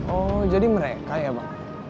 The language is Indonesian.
oh jadi mereka ya bang